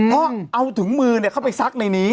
เพราะเอาถุงมือเข้าไปซักในนี้